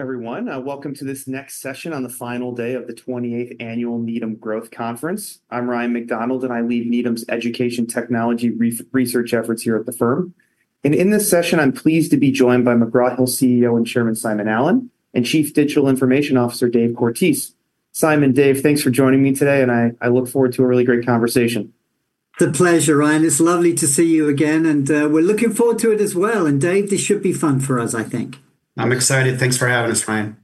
Everyone, welcome to this next session on the final day of the 28th Annual Needham Growth Conference. I'm Ryan MacDonald, and I lead Needham's education technology research efforts here at the firm. In this session, I'm pleased to be joined by McGraw Hill CEO and Chairman Simon Allen, and Chief Digital Information Officer Dave Cortese. Simon, Dave, thanks for joining me today, and I look forward to a really great conversation. It's a pleasure, Ryan. It's lovely to see you again, and we're looking forward to it as well. And Dave, this should be fun for us, I think. I'm excited. Thanks for having us, Ryan.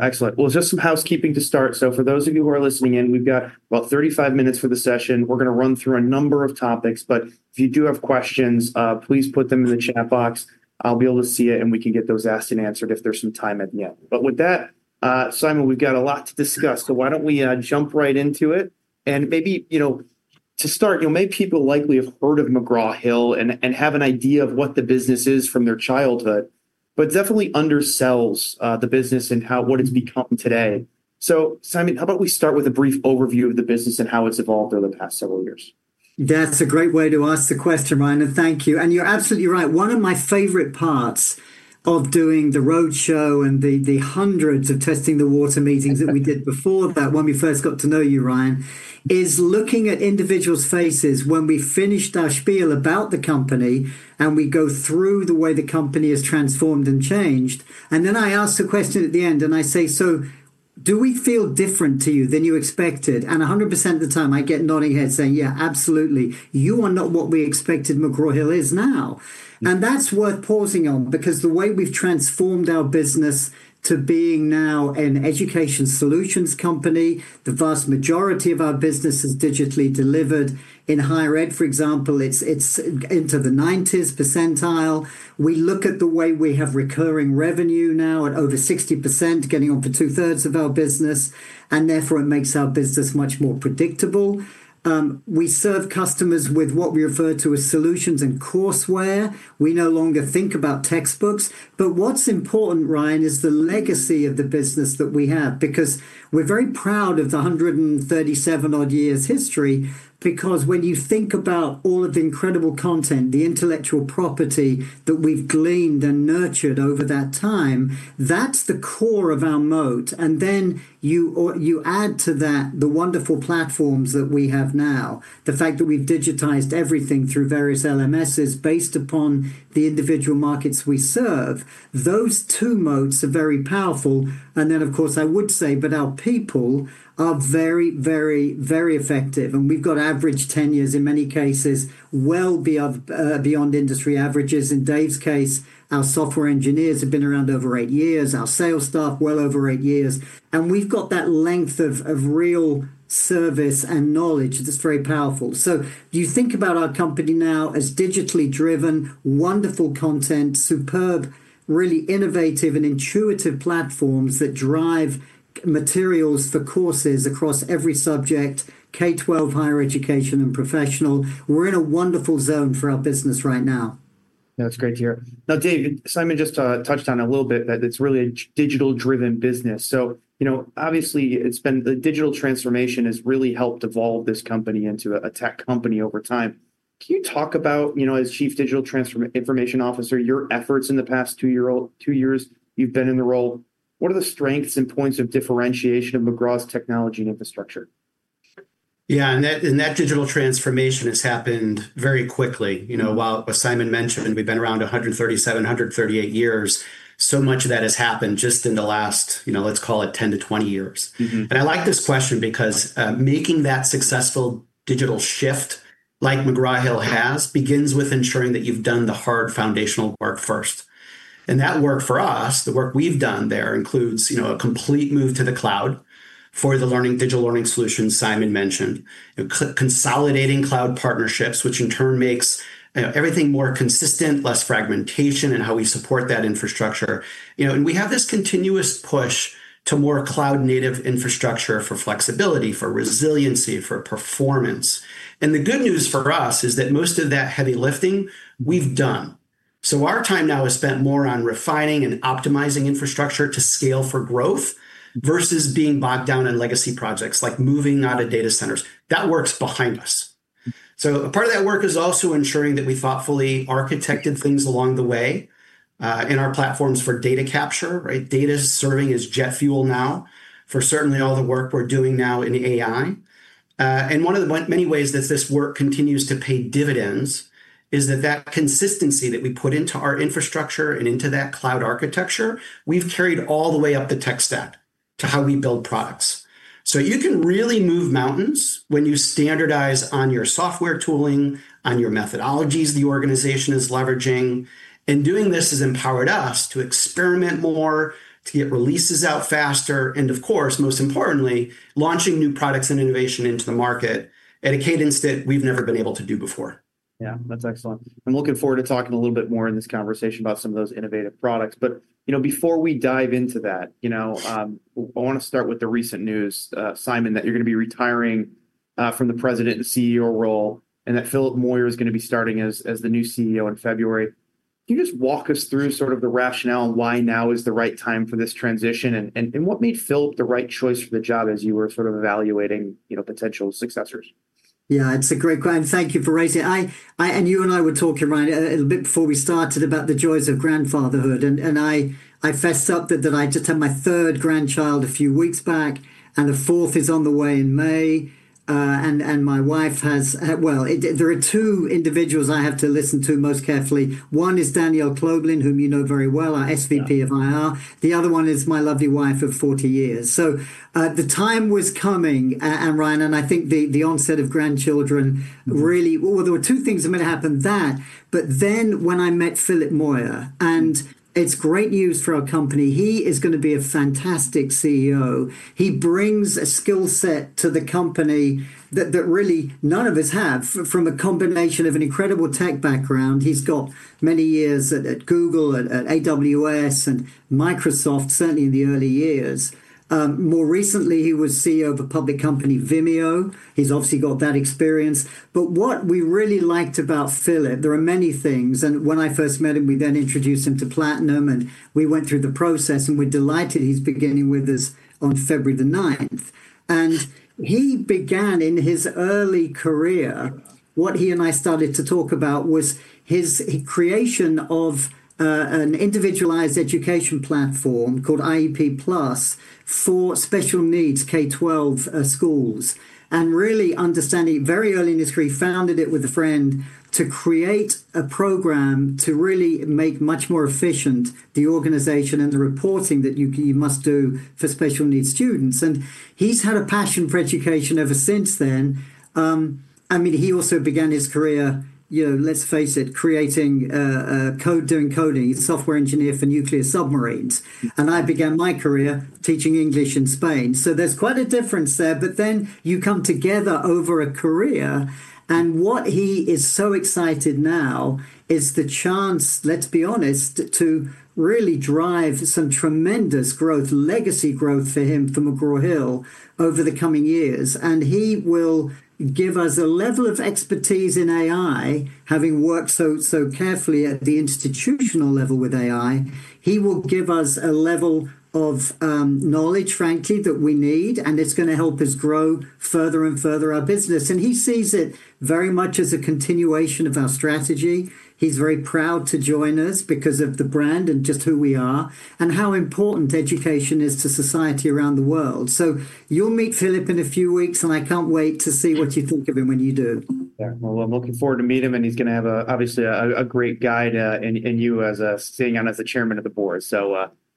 Excellent, well, just some housekeeping to start, so for those of you who are listening in, we've got about 35 minutes for the session. We're going to run through a number of topics, but if you do have questions, please put them in the chat box. I'll be able to see it, and we can get those asked and answered if there's some time at the end, but with that, Simon, we've got a lot to discuss, so why don't we jump right into it, and maybe to start, you know, maybe people likely have heard of McGraw Hill and have an idea of what the business is from their childhood, but it definitely undersells the business and what it's become today, so Simon, how about we start with a brief overview of the business and how it's evolved over the past several years? That's a great way to ask the question, Ryan, and thank you. And you're absolutely right. One of my favorite parts of doing the roadshow and the hundreds of testing the waters meetings that we did before that, when we first got to know you, Ryan, is looking at individuals' faces when we finished our spiel about the company and we go through the way the company has transformed and changed. And then I ask the question at the end, and I say, "So do we feel different to you than you expected?" And 100% of the time, I get nodding heads saying, "Yeah, absolutely. You are not what we expected. McGraw Hill is now." And that's worth pausing on because the way we've transformed our business to being now an education solutions company, the vast majority of our business is digitally delivered. In higher ed, for example, it's into the 90s percentile. We look at the way we have recurring revenue now at over 60%, getting on for two-thirds of our business, and therefore it makes our business much more predictable. We serve customers with what we refer to as solutions and courseware. We no longer think about textbooks. But what's important, Ryan, is the legacy of the business that we have because we're very proud of the 137-odd years history. Because when you think about all of the incredible content, the intellectual property that we've gleaned and nurtured over that time, that's the core of our moat. Then you add to that the wonderful platforms that we have now, the fact that we've digitized everything through various LMSs based upon the individual markets we serve. Those two moats are very powerful. Then, of course, I would say, but our people are very, very, very effective. We've got average tenures in many cases well beyond industry averages. In Dave's case, our software engineers have been around over eight years, our sales staff well over eight years. We've got that length of real service and knowledge. It's very powerful. You think about our company now as digitally driven, wonderful content, superb, really innovative and intuitive platforms that drive materials for courses across every subject, K-12, higher education, and professional. We're in a wonderful zone for our business right now. That's great to hear. Now, Dave, Simon just touched on a little bit that it's really a digital-driven business, so obviously, the digital transformation has really helped evolve this company into a tech company over time. Can you talk about, as Chief Digital Information Officer, your efforts in the past two years you've been in the role? What are the strengths and points of differentiation of McGraw Hill's technology and infrastructure? And that digital transformation has happened very quickly. While Simon mentioned, we've been around 137-138 years. So much of that has happened just in the last, let's call it, 10 to 20 years. And I like this question because making that successful digital shift, like McGraw Hill has, begins with ensuring that you've done the hard foundational work first. And that work for us, the work we've done there includes a complete move to the cloud for the digital learning solutions Simon mentioned, consolidating cloud partnerships, which in turn makes everything more consistent, less fragmentation, and how we support that infrastructure. And we have this continuous push to more cloud-native infrastructure for flexibility, for resiliency, for performance. And the good news for us is that most of that heavy lifting we've done. So our time now is spent more on refining and optimizing infrastructure to scale for growth versus being bogged down in legacy projects like moving out of data centers. That work is behind us. So a part of that work is also ensuring that we thoughtfully architected things along the way in our platforms for data capture, right? Data is serving as jet fuel now for certainly all the work we're doing now in AI. And one of the many ways that this work continues to pay dividends is that that consistency that we put into our infrastructure and into that cloud architecture, we've carried all the way up the tech stack to how we build products. So you can really move mountains when you standardize on your software tooling, on your methodologies the organization is leveraging. Doing this has empowered us to experiment more, to get releases out faster, and of course, most importantly, launching new products and innovation into the market at a cadence that we've never been able to do before. That's excellent. I'm looking forward to talking a little bit more in this conversation about some of those innovative products. But before we dive into that, I want to start with the recent news, Simon, that you're going to be retiring from the President and CEO role and that Philip Moyer is going to be starting as the new CEO in February. Can you just walk us through sort of the rationale and why now is the right time for this transition? And what made Philip the right choice for the job as you were sort of evaluating potential successors? It's a great question. Thank you for raising it. You and I were talking, Ryan, a little bit before we started about the joys of grandfatherhood. I fessed up that I just had my third grandchild a few weeks back, and the fourth is on the way in May. My wife has, well, there are two individuals I have to listen to most carefully. One is Danielle Kloeblen, whom you know very well, our SVP of IR. The other one is my lovely wife of 40 years. So the time was coming, Ryan, and I think the onset of grandchildren really, well, there were two things that made it happen: that, but then when I met Philip Moyer, and it's great news for our company. He is going to be a fantastic CEO. He brings a skill set to the company that really none of us have from a combination of an incredible tech background. He's got many years at Google, at AWS, and Microsoft, certainly in the early years. More recently, he was CEO of a public company, Vimeo. He's obviously got that experience. But what we really liked about Philip, there are many things, and when I first met him, we then introduced him to Platinum, and we went through the process, and we're delighted he's beginning with us on February the 9th, and he began in his early career. What he and I started to talk about was his creation of an individualized education platform called IEP Plus for special needs K-12 schools. And really understanding very early in his career, he founded it with a friend to create a program to really make much more efficient the organization and the reporting that you must do for special needs students. And he's had a passion for education ever since then. I mean, he also began his career, let's face it, creating code, doing coding. He's a software engineer for nuclear submarines. And I began my career teaching English in Spain. So there's quite a difference there. But then you come together over a career. And what he is so excited now is the chance, let's be honest, to really drive some tremendous growth, legacy growth for him for McGraw Hill over the coming years. And he will give us a level of expertise in AI, having worked so carefully at the institutional level with AI. He will give us a level of knowledge, frankly, that we need, and it's going to help us grow further and further our business. And he sees it very much as a continuation of our strategy. He's very proud to join us because of the brand and just who we are and how important education is to society around the world. So you'll meet Philip in a few weeks, and I can't wait to see what you think of him when you do. Well, I'm looking forward to meeting him, and he's going to have obviously a great guide and you as a sitting chairman of the board.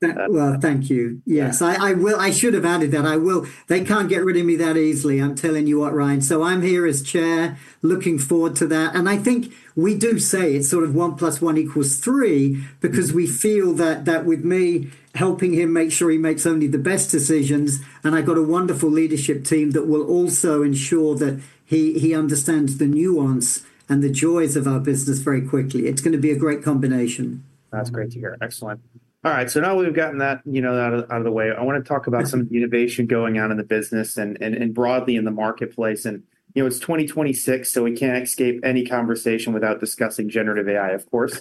So. Thank you. Yes, I should have added that. They can't get rid of me that easily, I'm telling you what, Ryan. I'm here as Chair, looking forward to that. I think we do say it's sort of one plus one equals three because we feel that with me helping him make sure he makes only the best decisions, and I've got a wonderful leadership team that will also ensure that he understands the nuance and the joys of our business very quickly. It's going to be a great combination. That's great to hear. Excellent. All right, so now we've gotten that out of the way, I want to talk about some of the innovation going on in the business and broadly in the marketplace. And it's 2026, so we can't escape any conversation without discussing generative AI, of course.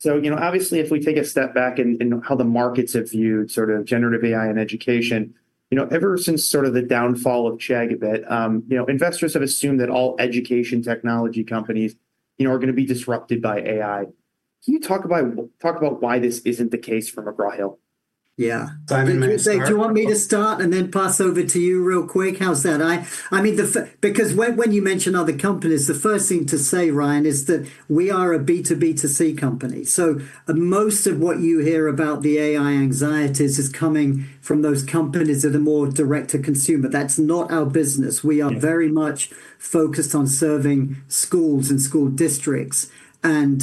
So obviously, if we take a step back in how the markets have viewed sort of generative AI in education, ever since sort of the downfall of Chegg a bit, investors have assumed that all education technology companies are going to be disrupted by AI. Can you talk about why this isn't the case for McGraw Hill? Yeah. Simon, many questions. Do you want me to start and then pass over to you real quick? How's that? I mean, because when you mention other companies, the first thing to say, Ryan, is that we are a B2B2C company. So most of what you hear about the AI anxieties is coming from those companies that are more direct to consumer. That's not our business. We are very much focused on serving schools and school districts and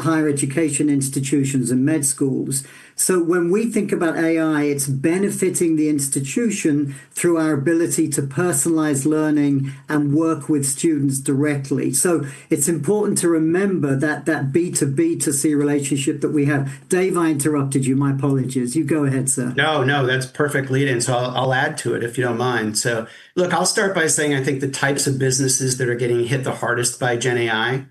higher education institutions and med schools. So when we think about AI, it's benefiting the institution through our ability to personalize learning and work with students directly. So it's important to remember that B2B2C relationship that we have. Dave, I interrupted you. My apologies. You go ahead, sir. No, no, that's perfect lead-in. So I'll add to it if you don't mind. So look, I'll start by saying I think the types of businesses that are getting hit the hardest by GenAI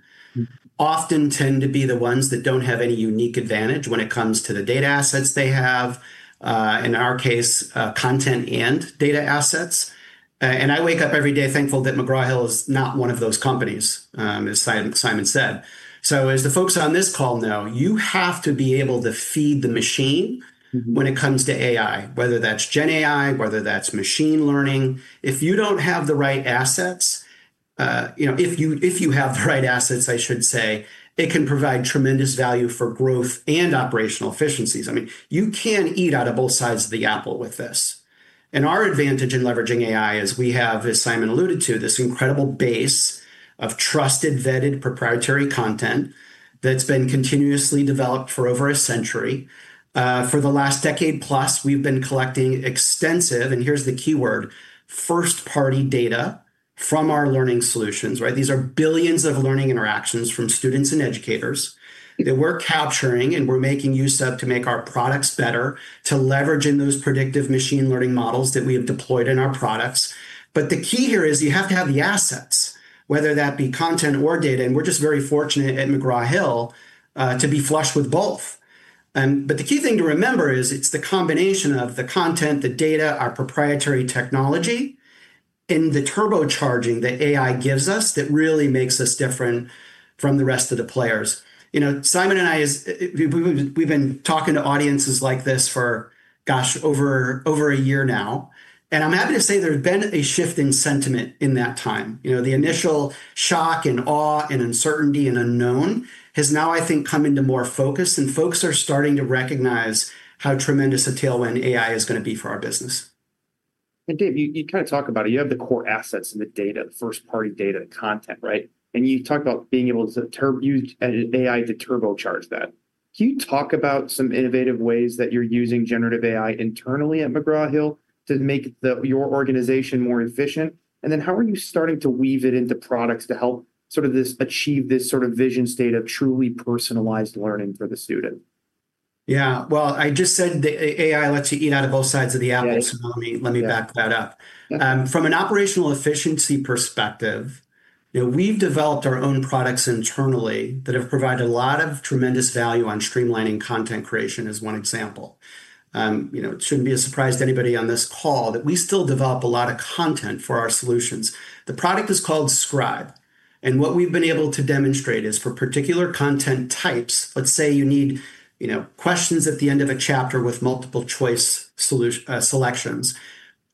often tend to be the ones that don't have any unique advantage when it comes to the data assets they have, in our case, content and data assets. And I wake up every day thankful that McGraw Hill is not one of those companies, as Simon said. So as the folks on this call know, you have to be able to feed the machine when it comes to AI, whether that's GenAI, whether that's machine learning. If you don't have the right assets, if you have the right assets, I should say, it can provide tremendous value for growth and operational efficiencies. I mean, you can eat out of both sides of the apple with this. And our advantage in leveraging AI is we have, as Simon alluded to, this incredible base of trusted, vetted proprietary content that's been continuously developed for over a century. For the last decade plus, we've been collecting extensive, and here's the key word, first-party data from our learning solutions, right? These are billions of learning interactions from students and educators that we're capturing and we're making use of to make our products better, to leverage in those predictive machine learning models that we have deployed in our products. But the key here is you have to have the assets, whether that be content or data. And we're just very fortunate at McGraw Hill to be flush with both. But the key thing to remember is it's the combination of the content, the data, our proprietary technology, and the turbocharging that AI gives us that really makes us different from the rest of the players. Simon and I, we've been talking to audiences like this for, gosh, over a year now. And I'm happy to say there's been a shift in sentiment in that time. The initial shock and awe and uncertainty and unknown has now, I think, come into more focus, and folks are starting to recognize how tremendous a tailwind AI is going to be for our business. And Dave, you kind of talk about it. You have the core assets and the data, the first-party data, the content, right? And you talk about being able to use AI to turbocharge that. Can you talk about some innovative ways that you're using generative AI internally at McGraw Hill to make your organization more efficient? And then how are you starting to weave it into products to help sort of achieve this sort of vision state of truly personalized learning for the student? I just said AI lets you eat out of both sides of the apple. So let me back that up. From an operational efficiency perspective, we've developed our own products internally that have provided a lot of tremendous value on streamlining content creation, as one example. It shouldn't be a surprise to anybody on this call that we still develop a lot of content for our solutions. The product is called Scribe. And what we've been able to demonstrate is for particular content types, let's say you need questions at the end of a chapter with multiple choice selections.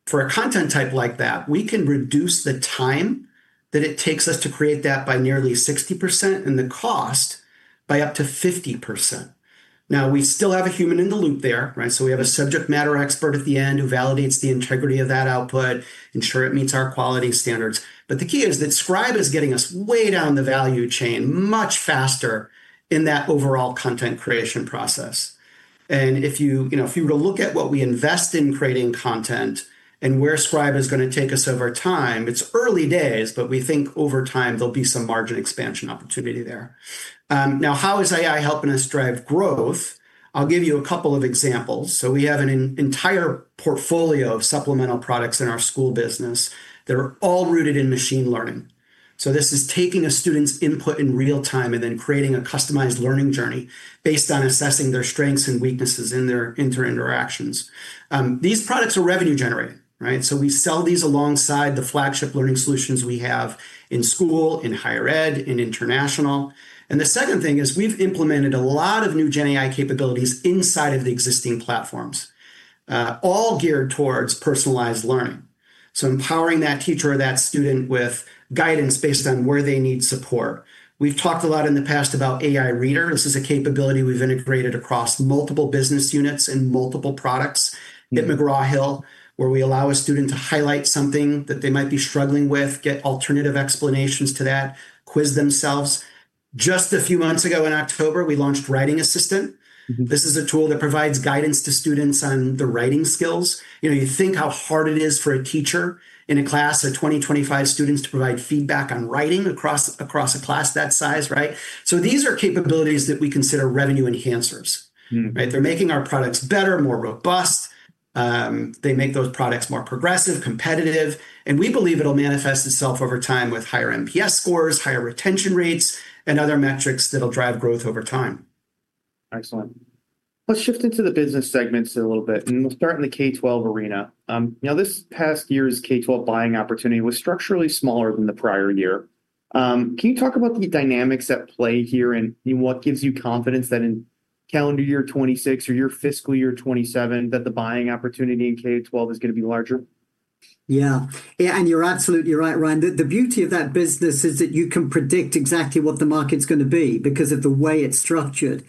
For a content type like that, we can reduce the time that it takes us to create that by nearly 60% and the cost by up to 50%. Now, we still have a human in the loop there, right? So we have a subject matter expert at the end who validates the integrity of that output, ensure it meets our quality standards. But the key is that Scribe is getting us way down the value chain much faster in that overall content creation process. And if you were to look at what we invest in creating content and where Scribe is going to take us over time, it's early days, but we think over time there'll be some margin expansion opportunity there. Now, how is AI helping us drive growth? I'll give you a couple of examples. So we have an entire portfolio of supplemental products in our school business that are all rooted in machine learning. So this is taking a student's input in real time and then creating a customized learning journey based on assessing their strengths and weaknesses in their interactions. These products are revenue-generating, right? So we sell these alongside the flagship learning solutions we have in school, in higher ed, in international. And the second thing is we've implemented a lot of new GenAI capabilities inside of the existing platforms, all geared towards personalized learning. So empowering that teacher or that student with guidance based on where they need support. We've talked a lot in the past about AI Reader. This is a capability we've integrated across multiple business units and multiple products at McGraw Hill, where we allow a student to highlight something that they might be struggling with, get alternative explanations to that, quiz themselves. Just a few months ago in October, we launched Writing Assistant. This is a tool that provides guidance to students on their writing skills. You think how hard it is for a teacher in a class of 20, 25 students to provide feedback on writing across a class that size, right? So these are capabilities that we consider revenue enhancers, right? They're making our products better, more robust. They make those products more progressive, competitive. And we believe it'll manifest itself over time with higher NPS scores, higher retention rates, and other metrics that'll drive growth over time. Excellent. Let's shift into the business segments a little bit, and we'll start in the K-12 arena. Now, this past year's K-12 buying opportunity was structurally smaller than the prior year. Can you talk about the dynamics at play here and what gives you confidence that in calendar year 2026 or your fiscal year 2027, that the buying opportunity in K-12 is going to be larger? And you're absolutely right, Ryan. The beauty of that business is that you can predict exactly what the market's going to be because of the way it's structured.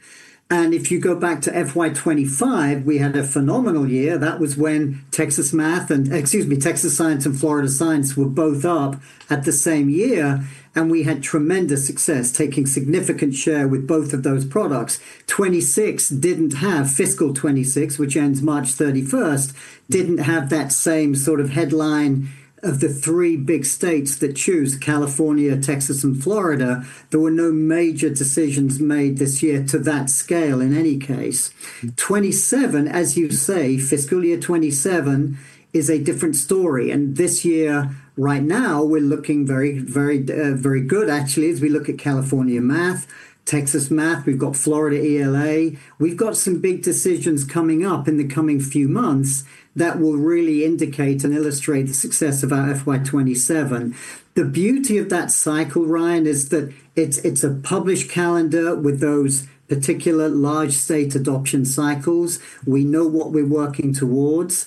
And if you go back to FY 2025, we had a phenomenal year. That was when Texas Math and, excuse me, Texas Science and Florida Science were both up at the same year, and we had tremendous success taking significant share with both of those products. 2026 didn't have fiscal 2026, which ends March 31st, didn't have that same sort of headline of the three big states that choose California, Texas, and Florida. There were no major decisions made this year to that scale in any case. 2027, as you say, fiscal year 2027 is a different story. And this year, right now, we're looking very, very good, actually, as we look at California Math, Texas Math. We've got Florida ELA. We've got some big decisions coming up in the coming few months that will really indicate and illustrate the success of our FY '27. The beauty of that cycle, Ryan, is that it's a published calendar with those particular large state adoption cycles. We know what we're working towards.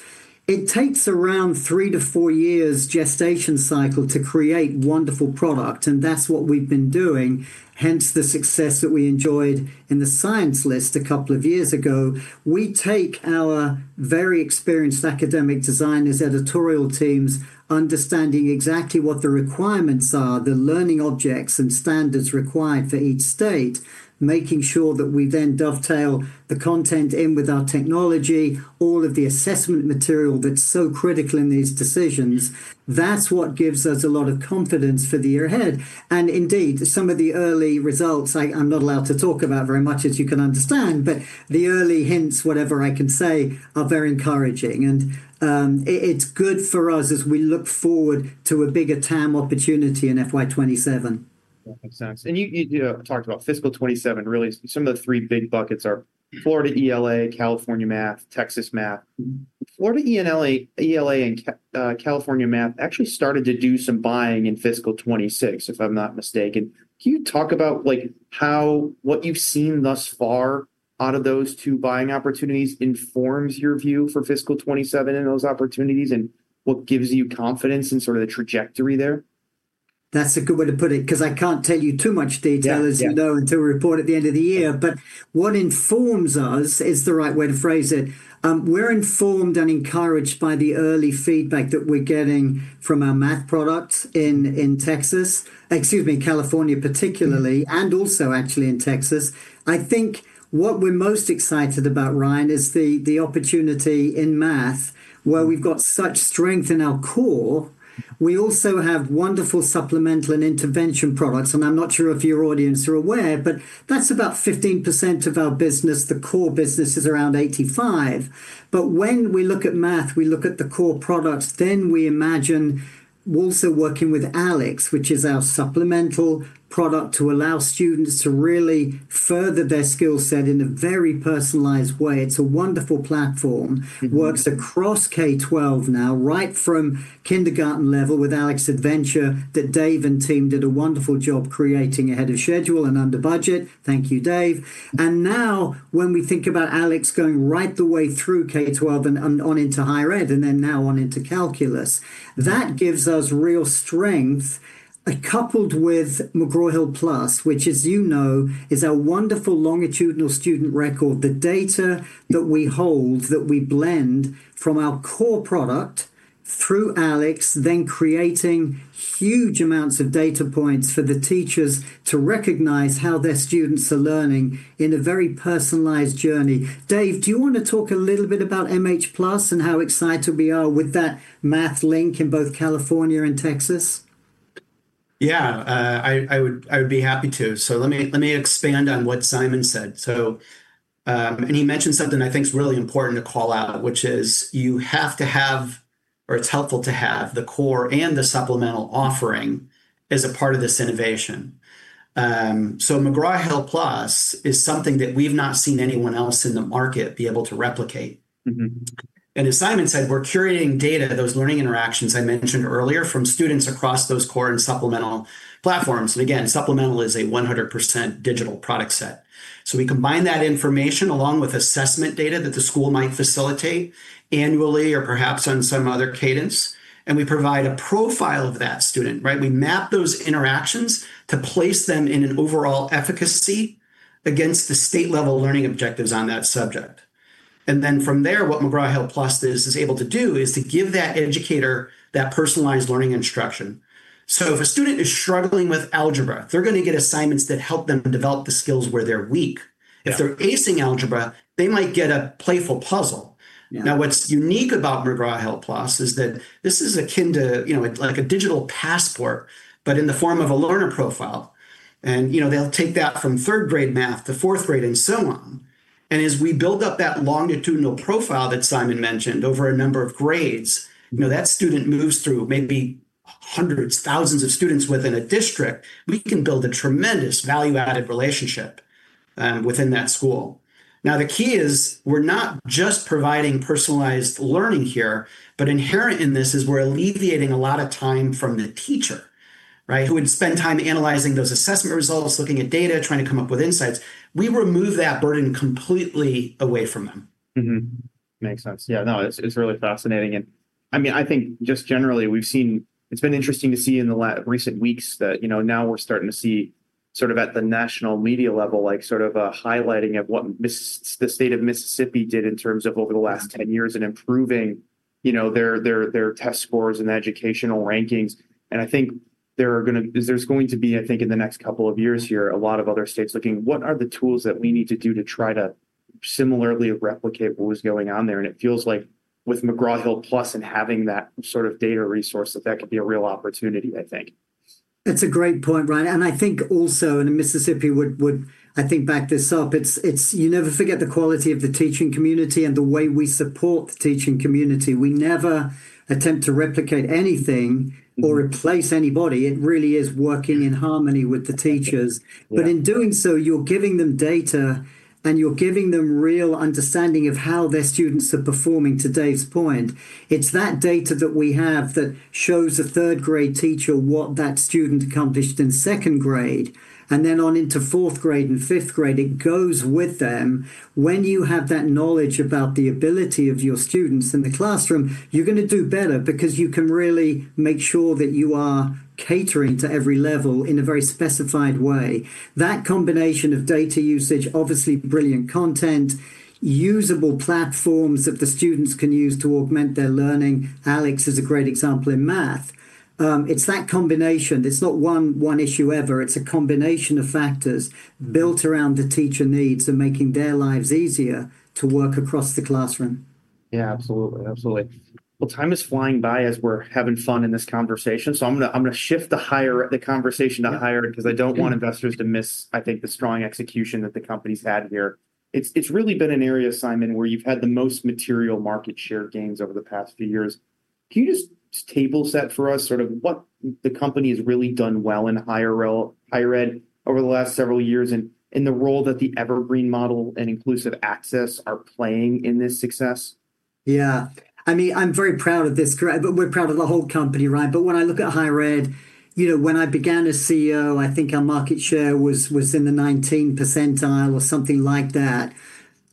It takes around three to four years gestation cycle to create wonderful product, and that's what we've been doing, hence the success that we enjoyed in the science list a couple of years ago. We take our very experienced academic designers, editorial teams, understanding exactly what the requirements are, the learning objects and standards required for each state, making sure that we then dovetail the content in with our technology, all of the assessment material that's so critical in these decisions. That's what gives us a lot of confidence for the year ahead. And indeed, some of the early results, I'm not allowed to talk about very much, as you can understand, but the early hints, whatever I can say, are very encouraging. And it's good for us as we look forward to a bigger TAM opportunity in FY 2027. That makes sense. And you talked about fiscal 2027. Really, some of the three big buckets are Florida ELA, California Math, Texas Math. Florida ELA and California Math actually started to do some buying in fiscal 2026, if I'm not mistaken. Can you talk about what you've seen thus far out of those two buying opportunities informs your view for fiscal 2027 and those opportunities, and what gives you confidence in sort of the trajectory there? That's a good way to put it because I can't tell you too much detail, as you know, until we report at the end of the year, but what informs us is the right way to phrase it. We're informed and encouraged by the early feedback that we're getting from our math products in Texas, excuse me, California particularly, and also actually in Texas. I think what we're most excited about, Ryan, is the opportunity in math where we've got such strength in our core. We also have wonderful supplemental and intervention products, and I'm not sure if your audience are aware, but that's about 15% of our business. The core business is around 85%, but when we look at math, we look at the core products. We imagine also working with ALEKS, which is our supplemental product to allow students to really further their skill set in a very personalized way. It's a wonderful platform, works across K-12 now, right from kindergarten level with ALEKS Adventure that Dave and team did a wonderful job creating ahead of schedule and under budget. Thank you, Dave. Now when we think about ALEKS going right the way through K-12 and on into higher ed, and then now on into calculus, that gives us real strength coupled with McGraw Hill Plus, which, as you know, is our wonderful longitudinal student record, the data that we hold, that we blend from our core product through ALEKS, then creating huge amounts of data points for the teachers to recognize how their students are learning in a very personalized journey. Dave, do you want to talk a little bit about MH Plus and how excited we are with that math link in both California and Texas? I would be happy to. So let me expand on what Simon said. And he mentioned something I think is really important to call out, which is you have to have, or it's helpful to have, the core and the supplemental offering as a part of this innovation. So McGraw Hill Plus is something that we've not seen anyone else in the market be able to replicate. And as Simon said, we're curating data, those learning interactions I mentioned earlier from students across those core and supplemental platforms. And again, supplemental is a 100% digital product set. So we combine that information along with assessment data that the school might facilitate annually or perhaps on some other cadence. And we provide a profile of that student, right? We map those interactions to place them in an overall efficacy against the state-level learning objectives on that subject. And then from there, what McGraw Hill Plus is able to do is to give that educator that personalized learning instruction. So if a student is struggling with algebra, they're going to get assignments that help them develop the skills where they're weak. If they're acing algebra, they might get a playful puzzle. Now, what's unique about McGraw Hill Plus is that this is akin to like a digital passport, but in the form of a learner profile. And they'll take that from third grade math to fourth grade and so on. And as we build up that longitudinal profile that Simon mentioned over a number of grades, that student moves through maybe hundreds, thousands of students within a district. We can build a tremendous value-added relationship within that school. Now, the key is we're not just providing personalized learning here, but inherent in this is we're alleviating a lot of time from the teacher, right, who would spend time analyzing those assessment results, looking at data, trying to come up with insights. We remove that burden completely away from them. Makes sense. No, it's really fascinating. And I mean, I think just generally, we've seen it's been interesting to see in the recent weeks that now we're starting to see sort of at the national media level, like sort of a highlighting of what the state of Mississippi did in terms of over the last 10 years in improving their test scores and educational rankings. And I think there's going to be, I think, in the next couple of years here, a lot of other states looking what are the tools that we need to do to try to similarly replicate what was going on there? And it feels like with McGraw Hill Plus and having that sort of data resource, that that could be a real opportunity, I think. That's a great point, Ryan, and I think also in Mississippi would, I think, back this up. You never forget the quality of the teaching community and the way we support the teaching community. We never attempt to replicate anything or replace anybody. It really is working in harmony with the teachers, but in doing so, you're giving them data and you're giving them real understanding of how their students are performing to Dave's point. It's that data that we have that shows a third grade teacher what that student accomplished in second grade, and then on into fourth grade and fifth grade, it goes with them. When you have that knowledge about the ability of your students in the classroom, you're going to do better because you can really make sure that you are catering to every level in a very specified way. That combination of data usage, obviously brilliant content, usable platforms that the students can use to augment their learning. ALEKS is a great example in math. It's that combination. It's not one issue ever. It's a combination of factors built around the teacher needs and making their lives easier to work across the classroom. Absolutely. Absolutely. Well, time is flying by as we're having fun in this conversation. So I'm going to shift the conversation to higher ed because I don't want investors to miss, I think, the strong execution that the company's had here. It's really been an area, Simon, where you've had the most material market share gains over the past few years. Can you just table set for us sort of what the company has really done well in higher ed over the last several years and the role that the Evergreen model and Inclusive Access are playing in this success? I mean, I'm very proud of this. We're proud of the whole company, Ryan. But when I look at higher ed, when I began as CEO, I think our market share was in the 19th percentile or something like that,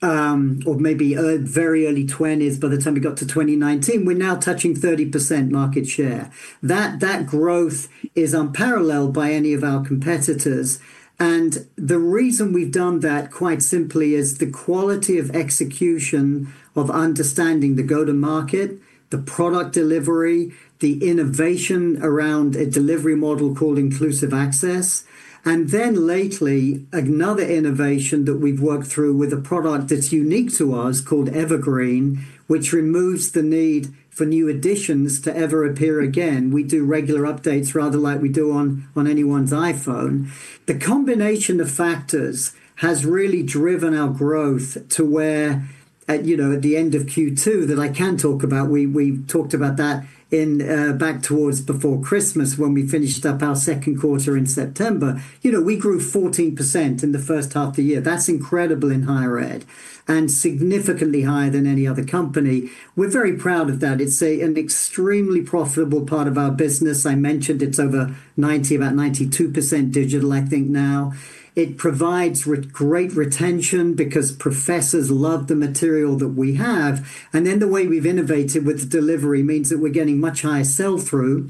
or maybe early 20s. By the time we got to 2019, we're now touching 30% market share. That growth is unparalleled by any of our competitors. And the reason we've done that quite simply is the quality of execution of understanding the go-to-market, the product delivery, the innovation around a delivery model called Inclusive Access. And then lately, another innovation that we've worked through with a product that's unique to us called Evergreen, which removes the need for new editions to ever appear again. We do regular updates rather like we do on anyone's iPhone. The combination of factors has really driven our growth to where, at the end of Q2 that I can talk about, we talked about that back towards before Christmas when we finished up our Q2 in September. We grew 14% in the H1 of the year. That's incredible in higher ed and significantly higher than any other company. We're very proud of that. It's an extremely profitable part of our business. I mentioned it's over 90%, about 92% digital, I think now. It provides great retention because professors love the material that we have. And then the way we've innovated with delivery means that we're getting much higher sell-through.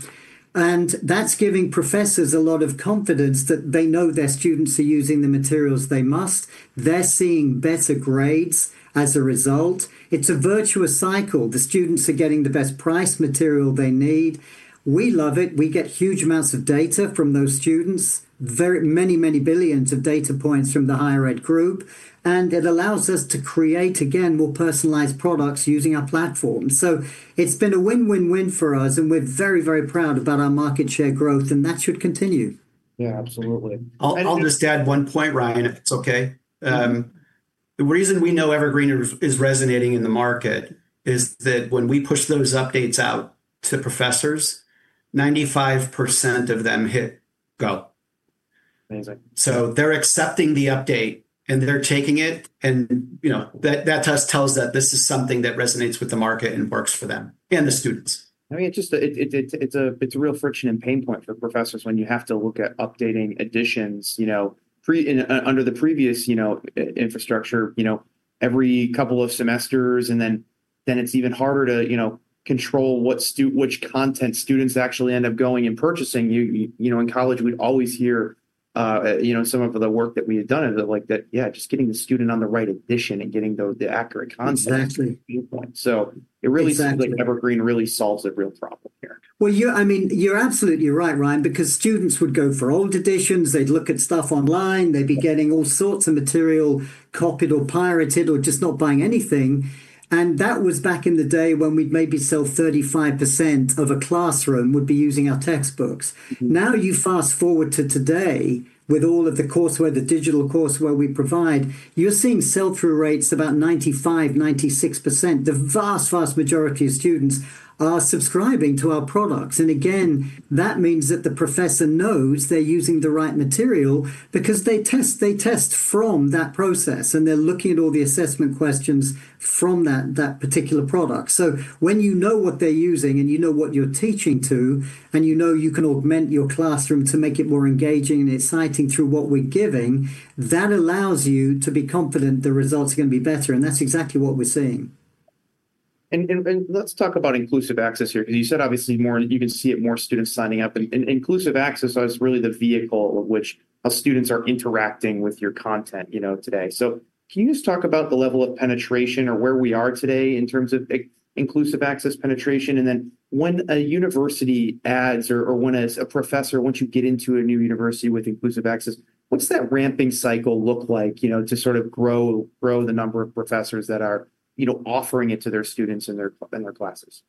And that's giving professors a lot of confidence that they know their students are using the materials they must. They're seeing better grades as a result. It's a virtuous cycle. The students are getting the best price material they need. We love it. We get huge amounts of data from those students, many, many billions of data points from the higher ed group, and it allows us to create, again, more personalized products using our platform, so it's been a win-win-win for us, and we're very, very proud about our market share growth, and that should continue. Absolutely. I'll just add one point, Ryan, if it's okay. The reason we know Evergreen is resonating in the market is that when we push those updates out to professors, 95% of them hit go. Amazing. So they're accepting the update, and they're taking it. And that just tells that this is something that resonates with the market and works for them and the students. I mean, it's a real friction and pain point for professors when you have to look at updating editions. Under the previous infrastructure, every couple of semesters, and then it's even harder to control which content students actually end up going and purchasing. In college, we'd always hear some of the work that we had done is like, just getting the student on the right edition and getting the accurate content. So it really seems like Evergreen really solves a real problem here. Well, I mean, you're absolutely right, Ryan, because students would go for old editions. They'd look at stuff online. They'd be getting all sorts of material copied or pirated or just not buying anything. And that was back in the day when we'd maybe sell 35% of a classroom would be using our textbooks. Now you fast forward to today with all of the courseware, the digital courseware we provide, you're seeing sell-through rates about 95%-96%. The vast, vast majority of students are subscribing to our products. And again, that means that the professor knows they're using the right material because they test from that process, and they're looking at all the assessment questions from that particular product. So when you know what they're using and you know what you're teaching to, and you know you can augment your classroom to make it more engaging and exciting through what we're giving, that allows you to be confident the results are going to be better. And that's exactly what we're seeing. And let's talk about Inclusive Access here. Because you said obviously you can see more students signing up. And Inclusive Access is really the vehicle of which students are interacting with your content today. So can you just talk about the level of penetration or where we are today in terms of Inclusive Access penetration? And then when a university adds or when a professor, once you get into a new university with Inclusive Access, what's that ramping cycle look like to sort of grow the number of professors that are offering it to their students in their classes?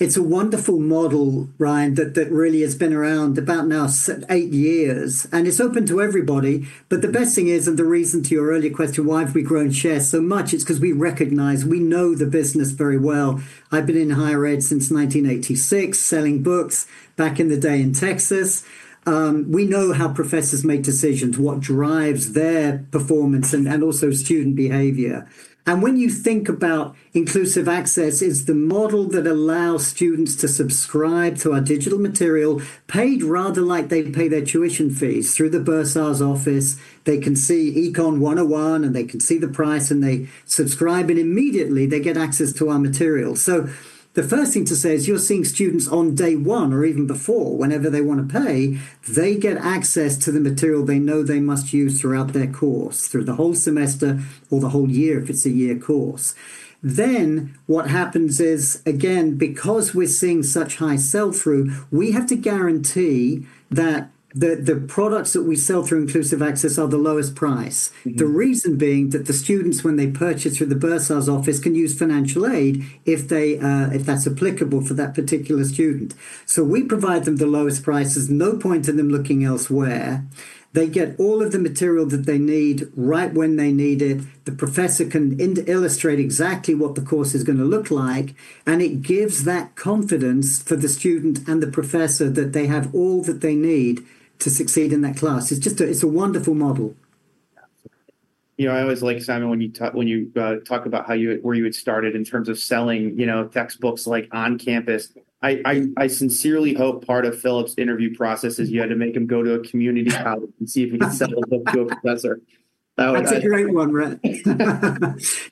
It's a wonderful model, Ryan, that really has been around about now eight years, and it's open to everybody, but the best thing is, and the reason to your earlier question, why have we grown share so much, it's because we recognize, we know the business very well. I've been in higher ed since 1986, selling books back in the day in Texas. We know how professors make decisions, what drives their performance and also student behavior, and when you think about inclusive access, it's the model that allows students to subscribe to our digital material, paid rather like they pay their tuition fees. Through the Bursar's office, they can see Econ 101, and they can see the price, and they subscribe, and immediately they get access to our material. The first thing to say is you're seeing students on day one or even before, whenever they want to pay, they get access to the material they know they must use throughout their course, through the whole semester or the whole year if it's a year course. Then what happens is, again, because we're seeing such high sell-through, we have to guarantee that the products that we sell through Inclusive Access are the lowest price. The reason being that the students, when they purchase through the Bursar's office, can use financial aid if that's applicable for that particular student. So we provide them the lowest prices, no point in them looking elsewhere. They get all of the material that they need right when they need it. The professor can illustrate exactly what the course is going to look like. It gives that confidence for the student and the professor that they have all that they need to succeed in that class. It's a wonderful model. I always like Simon when you talk about where you had started in terms of selling textbooks on campus. I sincerely hope part of Philip's interview process is you had to make him go to a community college and see if he could sell a book to a professor. That's a great one, Rick.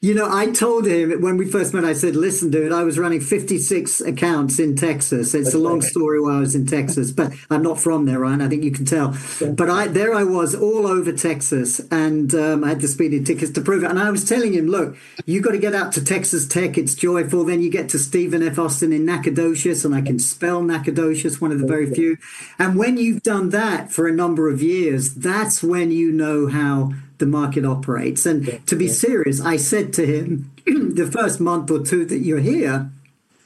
You know, I told him when we first met, I said, "Listen, dude, I was running 56 accounts in Texas." It's a long story why I was in Texas, but I'm not from there, Ryan. I think you can tell. But there I was all over Texas, and I had speeding tickets to prove it. And I was telling him, "Look, you've got to get out to Texas Tech. It's joyful. Then you get to Stephen F. Austin in Nacogdoches, and I can spell Nacogdoches, one of the very few. And when you've done that for a number of years, that's when you know how the market operates." And to be serious, I said to him, "The first month or two that you're here,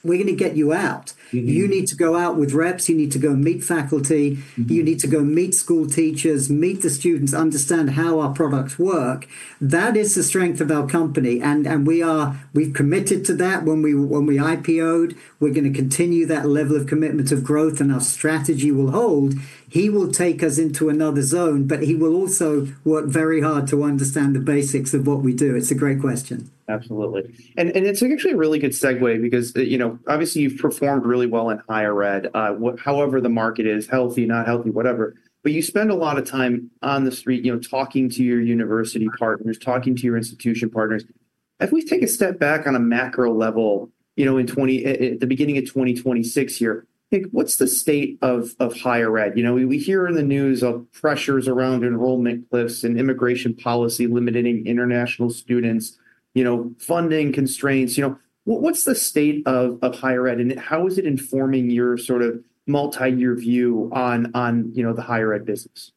we're going to get you out. You need to go out with reps. You need to go meet faculty. You need to go meet school teachers, meet the students, understand how our products work. That is the strength of our company. And we've committed to that. When we IPOed, we're going to continue that level of commitment of growth, and our strategy will hold. He will take us into another zone, but he will also work very hard to understand the basics of what we do. It's a great question. Absolutely. And it's actually a really good segue because obviously you've performed really well in higher ed, however the market is healthy, not healthy, whatever. But you spend a lot of time on the street talking to your university partners, talking to your institution partners. If we take a step back on a macro level at the beginning of 2026 here, what's the state of higher ed? We hear in the news of pressures around enrollment cliffs and immigration policy limiting international students, funding constraints. What's the state of higher ed, and how is it informing your sort of multi-year view on the higher ed business?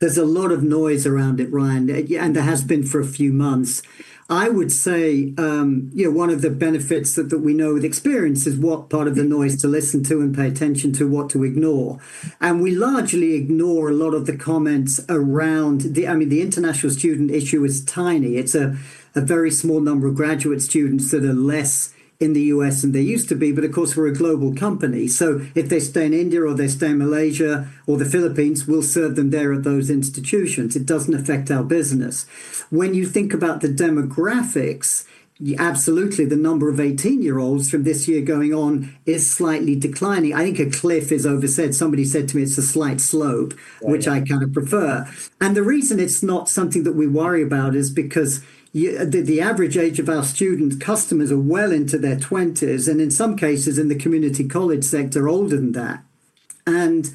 There's a lot of noise around it, Ryan, and there has been for a few months. I would say one of the benefits that we know with experience is what part of the noise to listen to and pay attention to, what to ignore, and we largely ignore a lot of the comments around the, I mean, the international student issue is tiny. It's a very small number of graduate students that are less in the U.S. than they used to be, but of course, we're a global company, so if they stay in India or they stay in Malaysia or the Philippines, we'll serve them there at those institutions. It doesn't affect our business. When you think about the demographics, absolutely, the number of 18-year-olds from this year going on is slightly declining. I think a cliff is oversaid. Somebody said to me, "It's a slight slope," which I kind of prefer. And the reason it's not something that we worry about is because the average age of our student customers are well into their 20s, and in some cases in the community college sector, older than that. And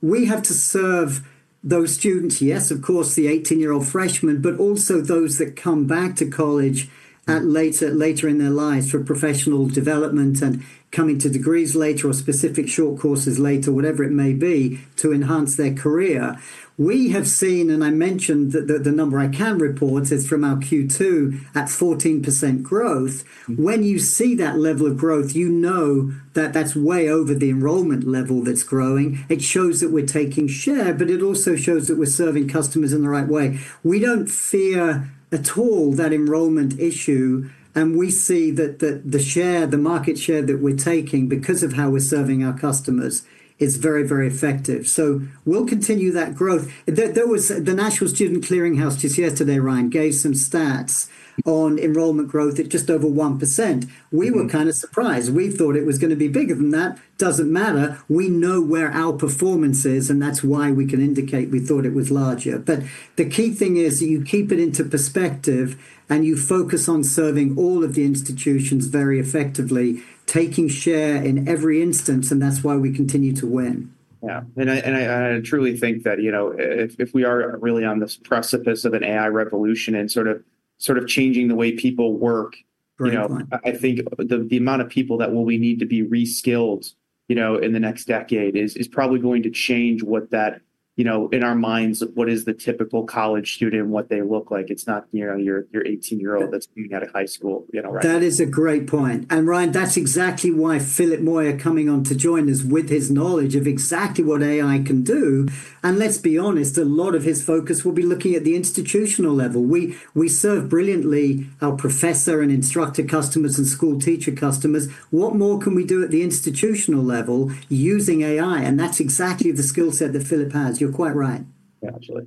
we have to serve those students, yes, of course, the 18-year-old freshmen, but also those that come back to college later in their lives for professional development and coming to degrees later or specific short courses later, whatever it may be, to enhance their career. We have seen, and I mentioned that the number I can report is from our Q2 at 14% growth. When you see that level of growth, you know that that's way over the enrollment level that's growing. It shows that we're taking share, but it also shows that we're serving customers in the right way. We don't fear at all that enrollment issue, and we see that the share, the market share that we're taking because of how we're serving our customers is very, very effective. So we'll continue that growth. The National Student Clearinghouse just yesterday, Ryan, gave some stats on enrollment growth at just over 1%. We were kind of surprised. We thought it was going to be bigger than that. Doesn't matter. We know where our performance is, and that's why we can indicate we thought it was larger. But the key thing is you keep it into perspective and you focus on serving all of the institutions very effectively, taking share in every instance, and that's why we continue to win. And I truly think that if we are really on this precipice of an AI revolution and sort of changing the way people work, I think the amount of people that will need to be reskilled in the next decade is probably going to change what that, in our minds, what is the typical college student, what they look like. It's not your 18-year-old that's coming out of high school, right? That is a great point. And Ryan, that's exactly why Philip Moyer coming on to join us with his knowledge of exactly what AI can do. And let's be honest, a lot of his focus will be looking at the institutional level. We serve brilliantly our professor and instructor customers and school teacher customers. What more can we do at the institutional level using AI? And that's exactly the skill set that Philip has. You're quite right. Absolutely.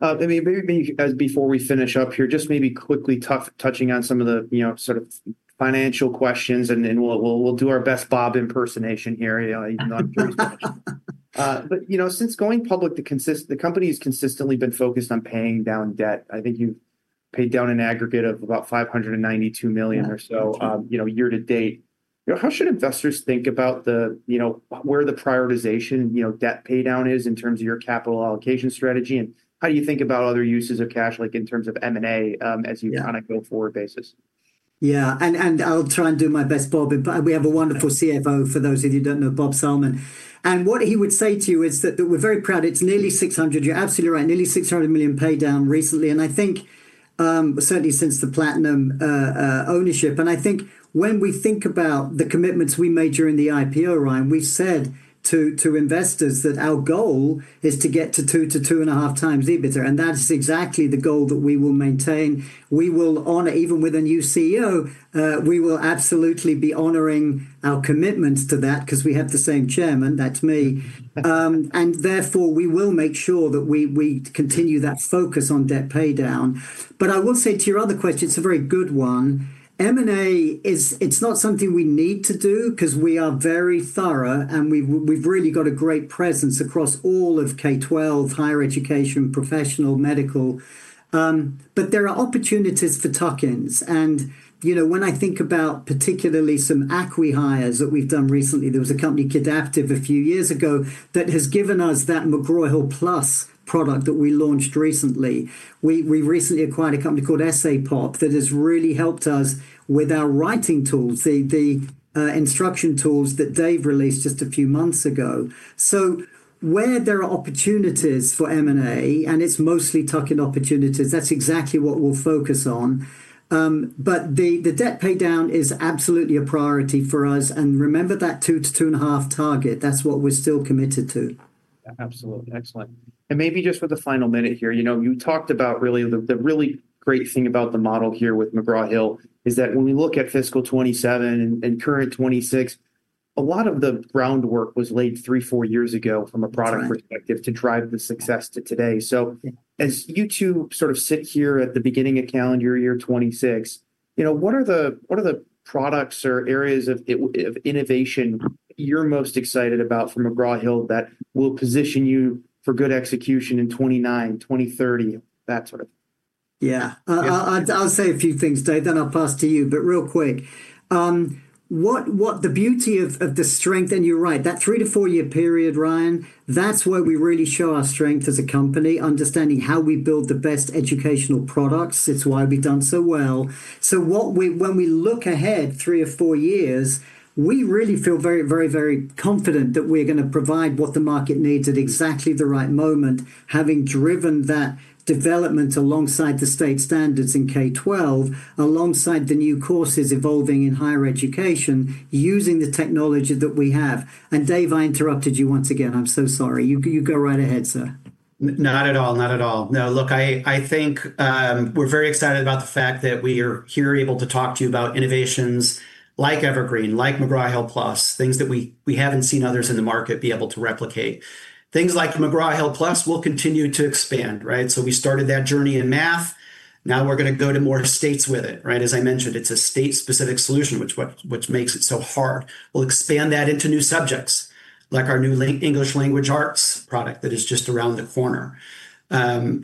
I mean, maybe before we finish up here, just maybe quickly touching on some of the sort of financial questions, and we'll do our best Bob impersonation here. But since going public, the company has consistently been focused on paying down debt. I think you've paid down an aggregate of about $592 million or so year to date. How should investors think about where the prioritization debt paydown is in terms of your capital allocation strategy? And how do you think about other uses of cash, like in terms of M&A as you kind of go forward basis? I'll try and do my best, Bob. We have a wonderful CFO, for those of you who don't know, Bob Salmon. And what he would say to you is that we're very proud. It's nearly $600 million. You're absolutely right. Nearly $600 million paid down recently. And I think certainly since the Platinum ownership. And I think when we think about the commitments we made during the IPO, Ryan, we said to investors that our goal is to get to 2-2.5 times EBITDA. And that is exactly the goal that we will maintain. We will honor, even with a new CEO, we will absolutely be honoring our commitments to that because we have the same chairman. That's me. And therefore, we will make sure that we continue that focus on debt paydown. But I will say to your other question, it's a very good one. M&A, it's not something we need to do because we are very thorough, and we've really got a great presence across all of K-12, higher education, professional, medical. But there are opportunities for tuck-ins. And when I think about particularly some acqui-hires that we've done recently, there was a company, Kidaptive, a few years ago that has given us that McGraw Hill Plus product that we launched recently. We recently acquired a company called EssayPop that has really helped us with our writing tools, the instruction tools that they've released just a few months ago. So where there are opportunities for M&A, and it's mostly tuck-in opportunities, that's exactly what we'll focus on. But the debt paydown is absolutely a priority for us. And remember that two to two and a half target. That's what we're still committed to. Absolutely. Excellent. And maybe just for the final minute here, you talked about really the really great thing about the model here with McGraw Hill is that when we look at fiscal 2027 and current 2026, a lot of the groundwork was laid three, four years ago from a product perspective to drive the success to today. So as you two sort of sit here at the beginning of calendar year 2026, what are the products or areas of innovation you're most excited about from McGraw Hill that will position you for good execution in 2029, 2030, that sort of thing? I'll say a few things, Dave. Then I'll pass to you. But real quick, the beauty of the strength, and you're right, that three- to four-year period, Ryan, that's where we really show our strength as a company, understanding how we build the best educational products. It's why we've done so well. So when we look ahead three or four years, we really feel very, very, very confident that we're going to provide what the market needs at exactly the right moment, having driven that development alongside the state standards in K-12, alongside the new courses evolving in higher education, using the technology that we have. And Dave, I interrupted you once again. I'm so sorry. You go right ahead, sir. Not at all. Not at all. No, look, I think we're very excited about the fact that we are here able to talk to you about innovations like Evergreen, like McGraw Hill Plus, things that we haven't seen others in the market be able to replicate. Things like McGraw Hill Plus, we'll continue to expand, right? So we started that journey in math. Now we're going to go to more states with it, right? As I mentioned, it's a state-specific solution, which makes it so hard. We'll expand that into new subjects, like our new English Language Arts product that is just around the corner. When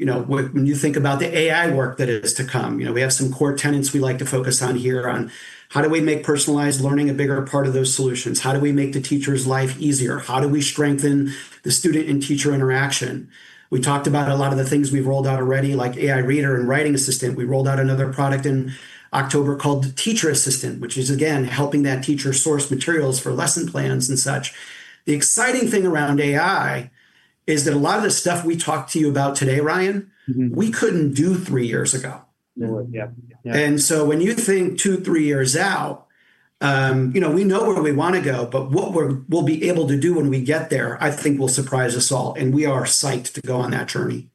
you think about the AI work that is to come, we have some core tenets we like to focus on here on how do we make personalized learning a bigger part of those solutions? How do we make the teacher's life easier? How do we strengthen the student and teacher interaction? We talked about a lot of the things we've rolled out already, like AI Reader and Writing Assistant. We rolled out another product in October called Teacher Assistant, which is, again, helping that teacher source materials for lesson plans and such. The exciting thing around AI is that a lot of the stuff we talked to you about today, Ryan, we couldn't do three years ago. And so when you think two, three years out, we know where we want to go, but what we'll be able to do when we get there, I think will surprise us all. And we are psyched to go on that journey.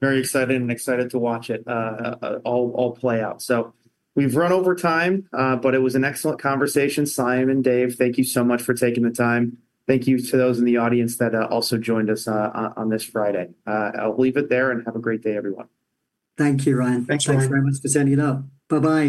Very excited to watch it all play out. So, we've run over time, but it was an excellent conversation. Simon, Dave, thank you so much for taking the time. Thank you to those in the audience that also joined us on this Friday. I'll leave it there and have a great day, everyone. Thank you, Ryan. Thanks very much for sending it up. Bye-bye.